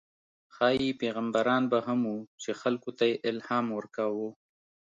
ښايي پیغمبران به هم وو، چې خلکو ته یې الهام ورکاوه.